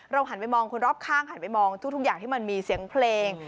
หันไปมองคนรอบข้างหันไปมองทุกอย่างที่มันมีเสียงเพลง